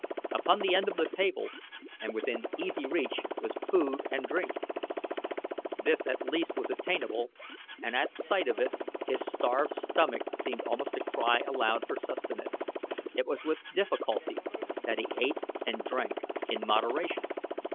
Upon the end of the table and within easy reach was food and drink. This at least was attainable and at sight of it his starved stomach seemed almost to cry aloud for sustenance. It was with difficulty that he ate and drank in moderation.